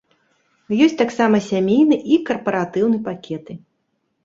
Ёсць таксама сямейны і карпаратыўны пакеты.